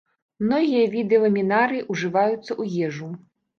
Многія віды ламінарыі ўжываюцца ў ежу.